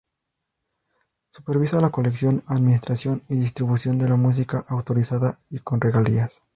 Supervisa la colección, administración y distribución de la música autorizada y con regalías.